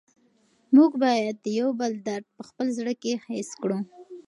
موږ باید د یو بل درد په خپل زړه کې حس کړو.